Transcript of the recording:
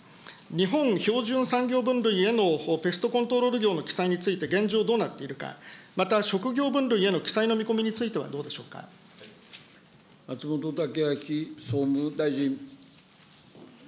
日本標準産業分類へのペストコントロール業の記載について現状どうなっているか、また職業分類への記載の見込みについてはどうで松本剛明総務大臣。